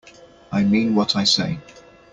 I mean what I say.